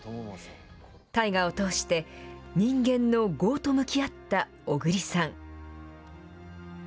大河を通して、人間の業と向き合った小栗さん。